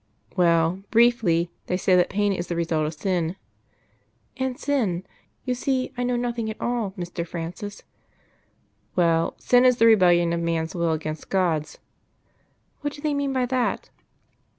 "Well, briefly, they say that pain is the result of sin " "And sin? You see, I know nothing at all, Mr. Francis." "Well, sin is the rebellion of man's will against God's." "What do they mean by that?"